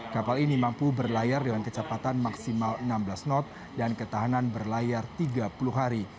kapal ini mampu berlayar dengan kecepatan maksimal enam belas knot dan ketahanan berlayar tiga puluh hari